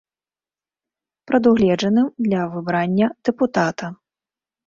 Прадугледжаным для выбрання дэпутата.